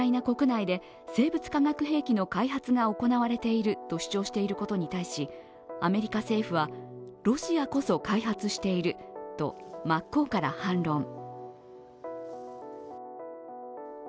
国内で生物化学兵器の開発が行われていると主張していることに対しアメリカ政府は、ロシアこそ開発していると真っ向から反論。